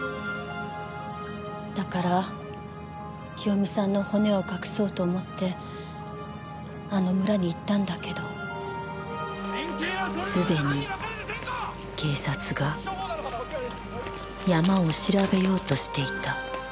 だから清美さんの骨を隠そうと思ってあの村に行ったんだけどすでに警察が山を調べようとしていた。